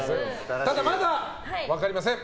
ただまだ分かりません。